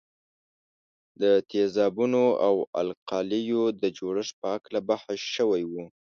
د تیزابونو او القلیو د جوړښت په هکله بحث شوی وو.